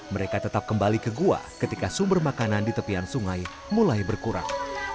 mereka tetap kembali ke gua ketika sumber makanan di tepian sungai mulai berkurang